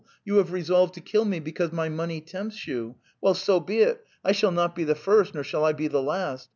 you have resolved to kill me because my money tempts you. Well, so be it; I shall not be the first nor shall I be the last.